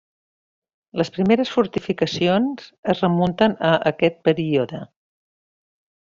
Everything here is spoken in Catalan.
Les primeres fortificacions es remunten a aquest període.